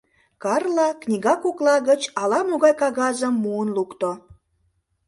Карла книга кокла гыч ала-могай кагазым муын лукто.